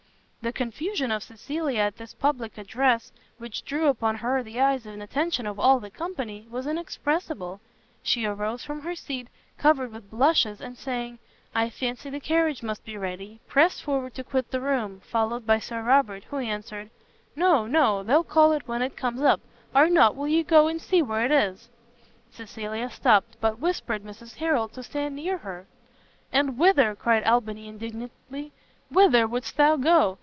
The confusion of Cecilia at this public address, which drew upon her the eyes and attention of all the company, was inexpressible; she arose from her seat, covered with blushes, and saying, "I fancy the carriage must be ready," pressed forward to quit the room, followed by Sir Robert, who answered, "No, no, they'll call it when it comes up. Arnott, will you go and see where it is?" Cecilia stopt, but whispered Mrs Harrel to stand near her. "And whither," cried Albany indignantly, "whither wouldst thou go?